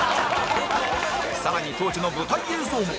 更に当時の舞台映像も